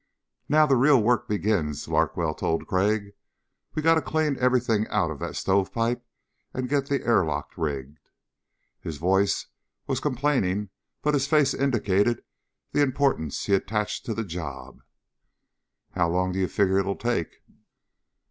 "Now the real work begins," Larkwell told Crag. "We gotta clean everything out of that stovepipe and get the airlock rigged." His voice was complaining but his face indicated the importance he attached to the job. "How long do you figure it'll take?"